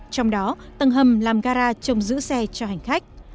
trong đó tầng hầm làm gara trong giữ xe cho hành khách